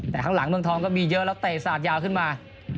แต่ข้างหลังเมืองทองก็มีเยอะแล้วเตะสาดยาวขึ้นมา